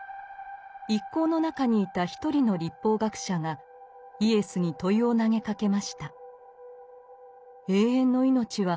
一行の中にいた一人の律法学者がイエスに問いを投げかけました。